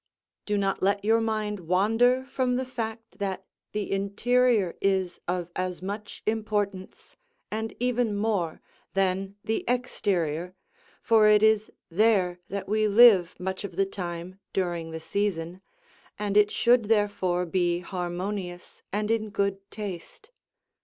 Do not let your mind wander from the fact that the interior is of as much importance, and even more, than the exterior, for it is there that we live much of the time during the season, and it should therefore be harmonious and in good taste.